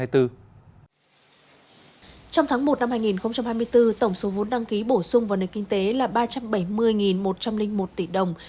trong tháng một năm hai nghìn hai mươi bốn tổng số vốn đăng ký bổ sung vào nền kinh tế là ba trăm bảy mươi một trăm linh một tỷ đồng